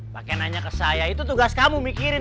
pak rt nanya ke saya itu tugas kamu mikirin